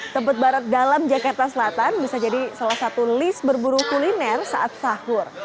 tebet barat dalam jakarta selatan bisa jadi salah satu list berburu kuliner saat sahur